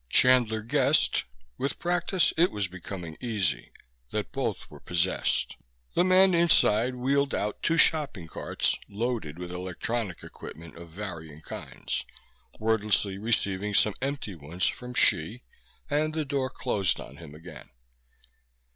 Chandler guessed (with practice it was becoming easy!) that both were possessed. The man inside wheeled out two shopping carts loaded with electronic equipment of varying kinds, wordlessly received some empty ones from Hsi; and the door closed on him again.